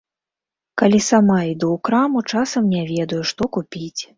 Калі сама іду ў краму, часам не ведаю, што купіць.